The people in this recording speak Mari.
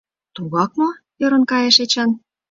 — Тугак мо? — ӧрын кайыш Эчан.